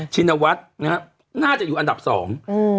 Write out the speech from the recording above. ชินวัฒน์นะฮะน่าจะอยู่อันดับสองอืม